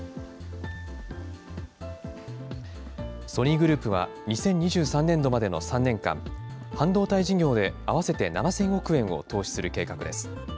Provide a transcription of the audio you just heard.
ソニーグループは、２０２３年度までの３年間、半導体事業で合わせて７０００億円を投資する計画です。